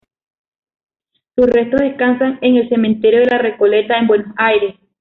Sus restos descansan en el cementerio de la Recoleta, en Buenos Aires.